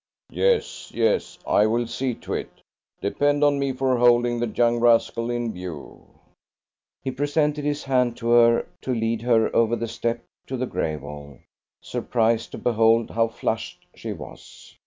"Yes, yes; I will see to it. Depend on me for holding the young rascal in view." He presented his hand to her to lead her over the step to the gravel, surprised to behold how flushed she was.